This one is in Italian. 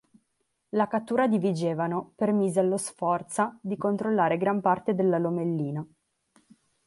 La cattura di Vigevano permise allo Sforza di controllare gran parte della Lomellina.